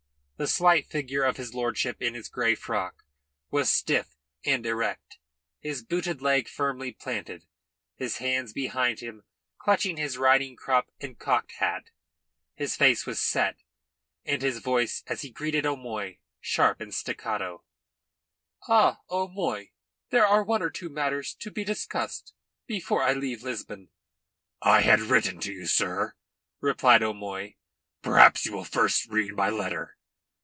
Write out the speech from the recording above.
The slight figure of his lordship in its grey frock was stiff and erect, his booted leg firmly planted, his hands behind him clutching his riding crop and cocked hat. His face was set and his voice as he greeted O'Moy sharp and staccato. "Ah, O'Moy, there are one or two matters to be discussed before I leave Lisbon." "I had written to you, sir," replied O'Moy. "Perhaps you will first read my letter."